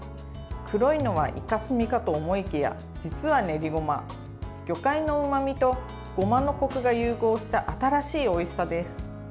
黒いのはいか墨かと思いきや実は、ねりごま。魚介のうまみと、ごまのこくが融合した新しいおいしさです。